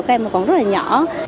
các em còn rất là nhỏ